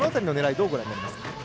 どうご覧になりますか？